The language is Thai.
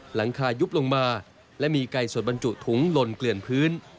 หลังคายุบลงมาและมีไก่สดบรรจุถุงหล่นเกลื่อนพื้น